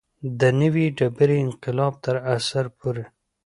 د نوې ډبرې انقلاب تر عصر پورې.